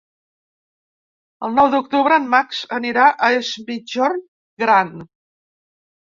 El nou d'octubre en Max anirà a Es Migjorn Gran.